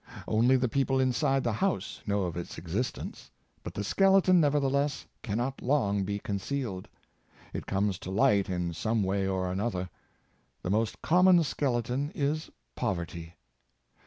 Only the people inside the house know of its existence. But the skeleton, nevertheless, cannot long be concealed. It comes to light in some way or another. The most common skeleton is poverty.